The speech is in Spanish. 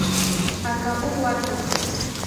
Acabó cuarta.